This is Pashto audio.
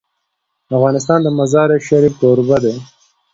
افغانستان د مزارشریف کوربه دی.